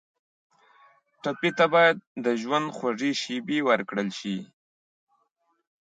ټپي ته باید د ژوند خوږې شېبې ورکړل شي.